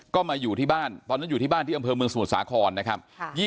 ก็มาอยู่ที่บ้านตอนนั้นอยู่ที่บ้านที่อำเภอเมืองสมุทรสาครนะครับ